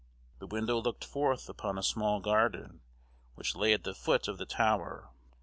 The window looked forth upon a small garden which lay at the foot of the tower.